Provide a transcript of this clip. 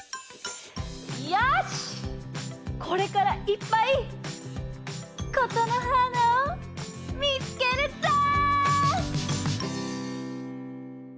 これからいっぱい「ことのはーな」をみつけるぞ！